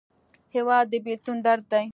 هېواد د بېلتون درد دی.